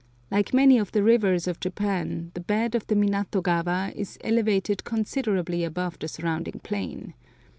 Like many of the rivers of Japan, the bed of the Minato gawa is elevated considerably above the surrounding plain.